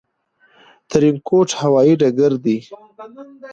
ترينکوټ هوايي ډګر دى